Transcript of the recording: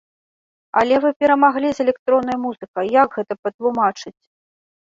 Але вы перамаглі з электроннай музыкай, як гэта патлумачыць?